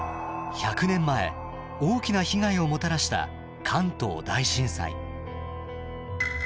１００年前大きな被害をもたらした関東大震災。